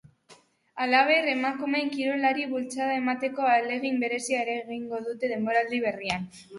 Halaber, emakumeen kirolari bultzada emateko ahalegin berezia ere egingo dute denboraldi berrian.